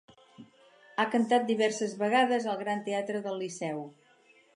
Ha cantat diverses vegades al Gran Teatre del Liceu.